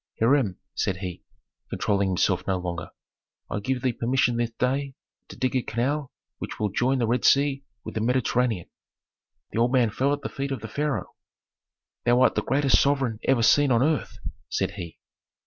"Hiram," said he, controlling himself no longer, "I give thee permission this day to dig a canal which shall join the Red Sea with the Mediterranean." The old man fell at the feet of the pharaoh. "Thou art the greatest sovereign ever seen on earth," said he.